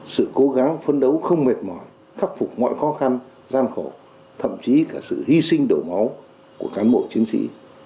sự cố gắng phấn đấu không mệt mỏi khắc phục mọi khó khăn gian khổ thậm chí cả sự hy sinh đổ máu của cán bộ chiến sĩ